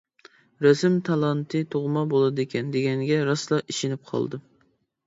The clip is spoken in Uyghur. رەسىم تالانتى تۇغما بولىدىكەن دېگەنگە راسلا ئىشىنىپ قالدىم.